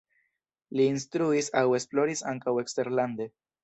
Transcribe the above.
Li instruis aŭ esploris ankaŭ eksterlande.